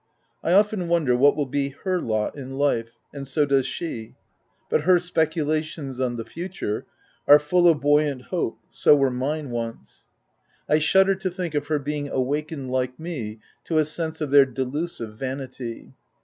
I often wonder what will be her lot in life — and so does she ; but her speculations on the future are full of buoyant hope — so were mine once. I shudder to think of her being awakened like me to a sense of their delusive vanity.